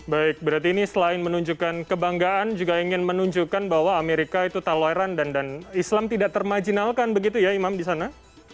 baik berarti ini selain menunjukkan kebanggaan juga ingin menunjukkan bahwa amerika itu toleran dan islam tidak termajinalkan begitu ya imam di sana